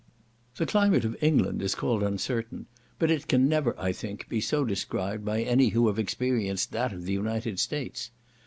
The climate of England is called uncertain, but it can never, I think, be so described by any who have experienced that of the United States.